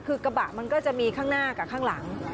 คือกระบะมันก็จะมีข้างหน้ากับข้างหลัง